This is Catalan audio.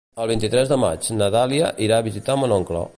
El vint-i-tres de maig na Dàlia irà a visitar mon oncle.